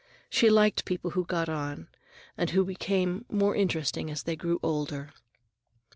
She liked people who got on, and who became more interesting as they grew older.